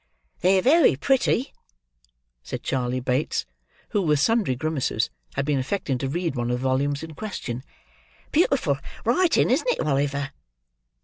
"They're very pretty," said Charley Bates: who, with sundry grimaces, had been affecting to read one of the volumes in question; "beautiful writing, isn't is, Oliver?"